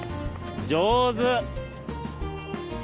上手。